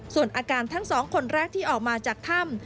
ส่วนอาการทั้งสองคนแรกที่ออกมาจากถ้ำ